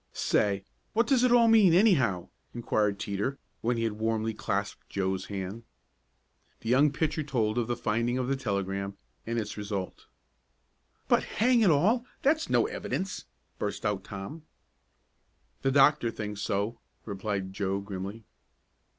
"Say, what does it all mean anyhow?" inquired Teeter when he had warmly clasped Joe's hand. The young pitcher told of the finding of the telegram, and its result. "But, hang it all, that's no evidence!" burst out Tom. "The doctor thinks so," replied Joe grimly.